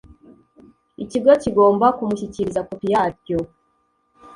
Ikigo kigomba kumushyikiriza kopi ya ryo